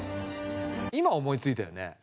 今思いついたよね？